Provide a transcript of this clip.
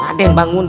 raden bangun di